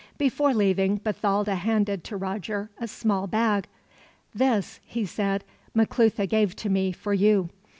Before leaving, Bathalda handed to Roger a small bag. "This," he said, "Maclutha gave to me, for you.